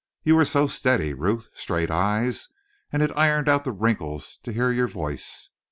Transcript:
You were so steady, Ruth; straight eyes; and it ironed out the wrinkles to hear your voice.